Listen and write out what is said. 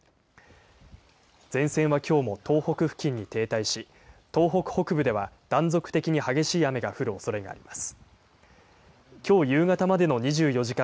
前線はきょうも東北付近に停滞し東北北部では断続的に激しい雨が降るおそれがあります。